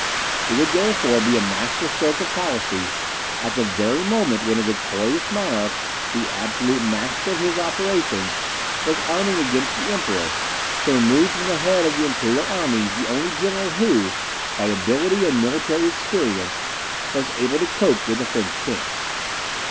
It would therefore be a masterstroke of policy, at the very moment when a victorious monarch, the absolute master of his operations, was arming against the Emperor, to remove from the head of the imperial armies the only general who, by ability and military experience, was able to cope with the French king.